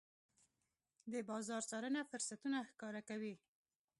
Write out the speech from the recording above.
د بازار څارنه فرصتونه ښکاره کوي.